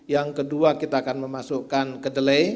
yang kedua kita akan memasukkan kedelai